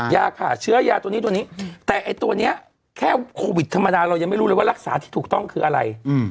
ยาฆ่าเชื้อยาตัวนี้ตัวนี้แต่ไอ้ตัวนี้แค่โควิดธรรมดาเรายังไม่รู้เลยว่ารักษาที่ถูกต้องคืออะไร